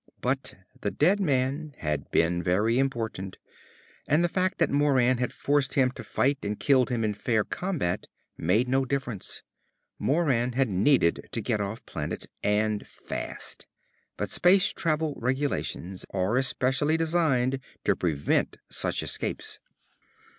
But the dead man had been very important, and the fact that Moran had forced him to fight and killed him in fair combat made no difference. Moran had needed to get off planet, and fast. But space travel regulations are especially designed to prevent such escapes.